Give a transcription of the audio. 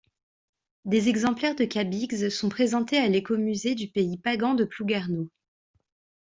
Des exemplaires de kabigs sont présentés à l'Écomusée du Pays Pagan de Plouguerneau.